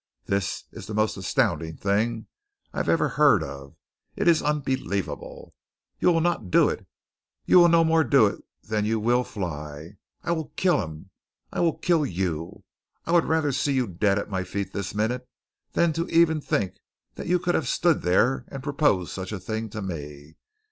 This is the most astounding thing I have ever heard of. It is unbelievable. You will not do it. You will no more do it than you will fly. I will kill him! I will kill you! I would rather see you dead at my feet this minute than to even think that you could have stood there and proposed such a thing to me.